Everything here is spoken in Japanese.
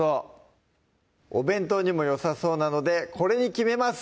お弁当にもよさそうなのでこれに決めます！